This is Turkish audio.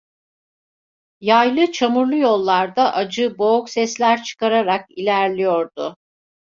Yaylı, çamurlu yollarda acı, boğuk sesler çıkararak ilerliyordu…